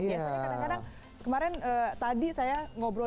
karena kadang kadang kemarin tadi saya ngobrol